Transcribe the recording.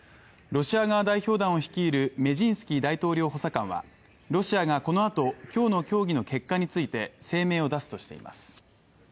ロシア側代表団を率いるメジンスキー大統領補佐官はロシアがこのあと、今日の協議の結果について声明を出すとしています。